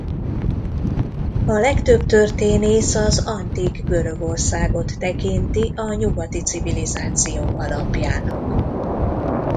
A legtöbb történész az antik Görögországot tekinti a nyugati civilizáció alapjának.